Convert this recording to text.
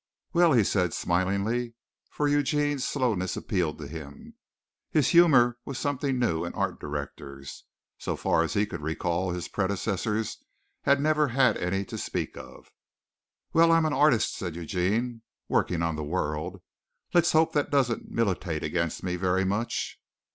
"Well," he said smilingly, for Eugene's slowness appealed to him. His humor was something new in art directors. So far as he could recall, his predecessors had never had any to speak of. "Well, I'm an artist," said Eugene, "working on the World. Let's hope that don't militate against me very much."